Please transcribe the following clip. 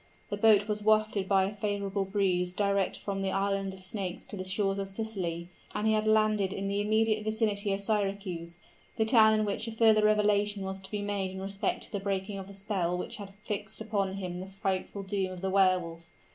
The boat was wafted by a favorable breeze direct from the Island of Snakes to the shores of Sicily; and he had landed in the immediate vicinity of Syracuse the town in which a further revelation was to be made in respect to the breaking of the spell which had fixed upon him the frightful doom of the Wehr Wolf!